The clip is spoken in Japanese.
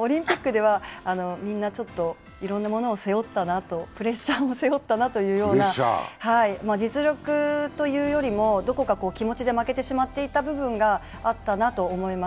オリンピックではみんなちょっといろんなものを背負ったなと、プレッシャーも背負ったなというような、実力というよりも、どこか気持ちで負けてしまっていた部分があったなと思います。